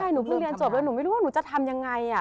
หนูเพิ่งเรียนจบแล้วหนูไม่รู้ว่าหนูจะทำยังไง